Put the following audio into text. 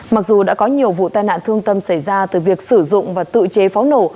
mặc dù đã có nhiều vụ tai nạn thương tâm xảy ra từ việc sử dụng và tự chế pháo nổ